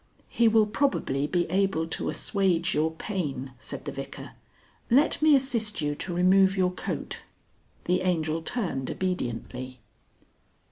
"He will probably be able to assuage your pain," said the Vicar. "Let me assist you to remove your coat?" The Angel turned obediently.